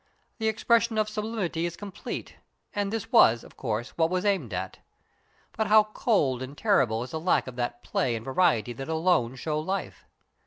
The expression of sublimity is complete, and this was, of course, what was aimed at. But how cold and terrible is the lack of that play and variety that alone show life.